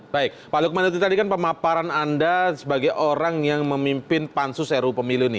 baik pak lukman nedi tadi kan pemahaman anda sebagai orang yang memimpin pansu seru pemiliu ini